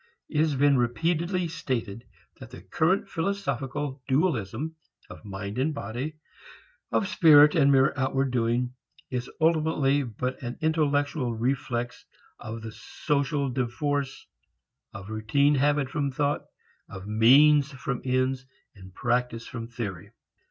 It has been repeatedly stated that the current philosophical dualism of mind and body, of spirit and mere outward doing, is ultimately but an intellectual reflex of the social divorce of routine habit from thought, of means from ends, practice from theory.